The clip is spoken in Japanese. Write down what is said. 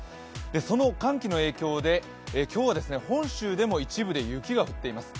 その寒気の影響で今日は本州でも一部で雪が降っています。